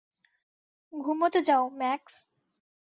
ঘুমোতে যাও, ম্যাক্স।